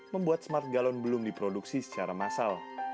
membuat smart galon belum diproduksi secara massal